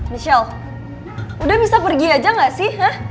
michelle udah bisa pergi aja gak sih